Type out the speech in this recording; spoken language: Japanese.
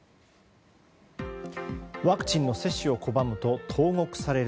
ワクチンの接種を拒むと投獄される。